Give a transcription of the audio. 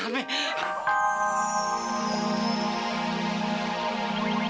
tidak tidak tidak tidak